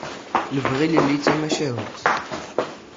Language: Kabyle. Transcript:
Lebɣi ilelli d tamacahut.